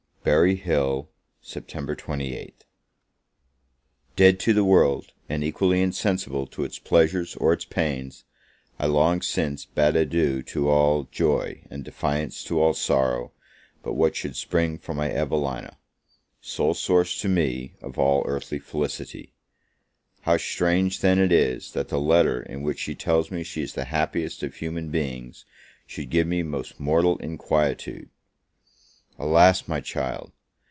Berry Hill, Sept. 28th. DEAD to the world, and equally insensible to its pleasures or its pains, I long since bad adieu to all joy, and defiance to all sorrow, but what should spring from my Evelina, sole source, to me, of all earthly felicity. How strange, then, is it, that the letter in which she tells me she is the happiest of human beings, should give me most mortal inquietude! Alas, my child!